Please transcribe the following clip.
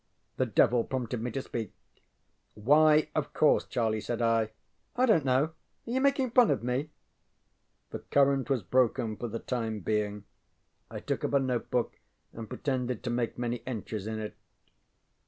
The devil prompted me to speak. ŌĆ£Why, ŌĆśof course, ŌĆÖ Charlie? ŌĆØ said I. ŌĆ£I donŌĆÖt know. Are you making fun of me? ŌĆØ The current was broken for the time being. I took up a notebook and pretended to make many entries in it.